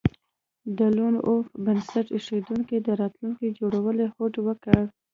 د لون وولف بنسټ ایښودونکو د راتلونکي جوړولو هوډ وکړ